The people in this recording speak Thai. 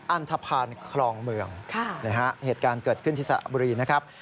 อันทภาณครองเมืองเหตุการณ์เกิดขึ้นที่สระบุรีนะครับ